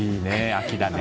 秋だね。